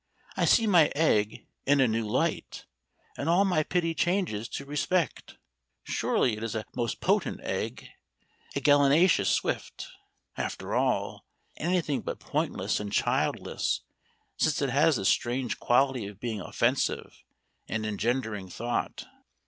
I see my egg in a new light, and all my pity changes to respect. Surely it is a most potent egg, a gallinaceous Swift. After all, anything but pointless and childless, since it has this strange quality of being offensive and engendering thought.